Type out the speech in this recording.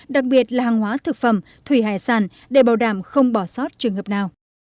đặc biệt là hàng hóa thực phẩm thủy hải sản để bảo đảm không bỏ sót trường hợp nào